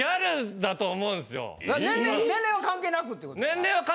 年齢は関係なくってことか。